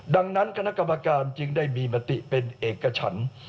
ดังนั้นคณะกรรมการจึงได้มีมติเป็นเอกฉัน